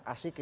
asik gitu ya